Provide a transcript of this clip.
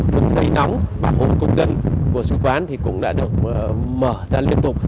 phần giấy nóng bảo hộ công dân của sứ quán cũng đã được mở ra liên tục